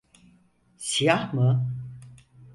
Siyah mı?